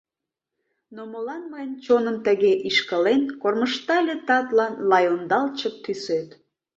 Но молан мыйын чоным тыге ишкылен, Кормыжтале татлан лай ондалчык тӱсет?!